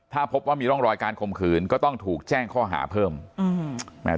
ถ้าพบว่ามีร่องรอยการข่มขืนก็ต้องถูกแจ้งข้อหาเพิ่มอืม